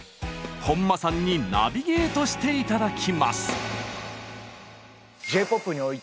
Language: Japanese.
本間さんにナビゲートして頂きます！